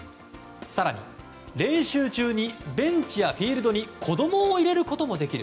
更に、練習中にベンチやフィールドに子供を入れることもできる。